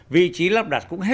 vị trí lắp đặt cũng hết